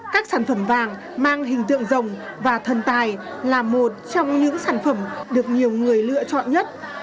các sản phẩm vàng mang hình tượng rồng và thần tài là một trong những sản phẩm được nhiều người lựa chọn nhất